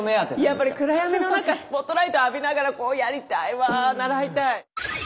やっぱり暗闇の中スポットライトを浴びながらやりたいわ習いたい。